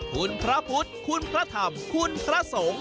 คุณพระพุทธคุณพระธรรมคุณพระสงฆ์